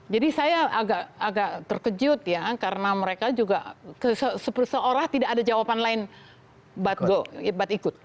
jadi saya agak terkejut ya karena mereka juga seorang tidak ada jawaban lain but go but ikut